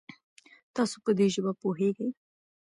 تاسو په دي ژبه پوهږئ؟